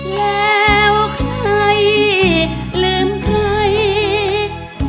แล้วใครลืมใคร